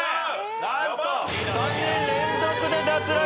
なんと３人連続で脱落。